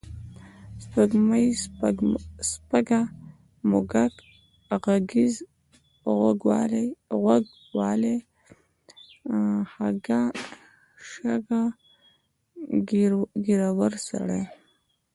سپوږمۍ، سپږه، موږک، غږیز، غوږ والۍ، خَږا، شَږ، ږېرور سړی